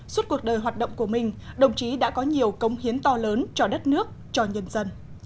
suốt cuộc đời hoạt động của mình đồng chí đã có nhiều công hiến to lớn cho đất nước cho nhân dân